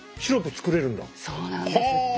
そうなんですって。